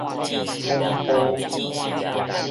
統埔